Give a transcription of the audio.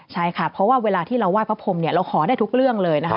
ใช่ค่ะเพราะว่าเวลาที่เราไหว้พระพรมเราขอได้ทุกเรื่องเลยนะคะ